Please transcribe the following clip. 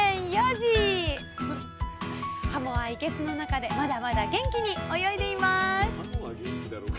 はもは生けすの中でまだまだ元気に泳いでいます。